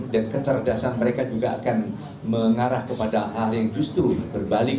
kecerdasan mereka juga akan mengarah kepada hal yang justru berbalik